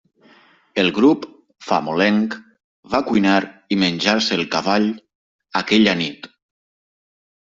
El grup, famolenc, va cuinar i menjar-se el cavall aquella nit.